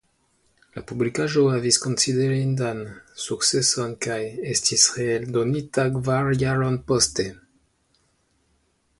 La publikaĵo havis konsiderindan sukceson kaj estis reeldonita kvar jarojn poste.